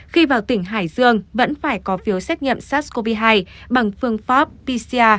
khi vào tỉnh hải dương vẫn phải có phiếu xét nghiệm sars cov hai bằng phương pháp pcr